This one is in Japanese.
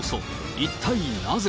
一体なぜ。